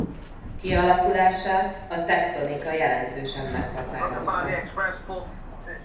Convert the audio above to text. Kialakulását a tektonika jelentősen meghatározta.